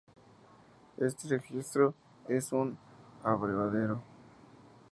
Este registro es un abrevadero".